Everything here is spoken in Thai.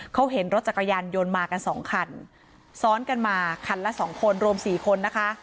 เขาเห็นรถจักรยานยนต์มากันสองคันซ้อนกันมาคันละสองคนรวมสี่คนนะคะ